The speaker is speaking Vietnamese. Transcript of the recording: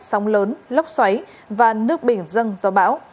sóng lớn lốc xoáy và nước bình dâng gió bão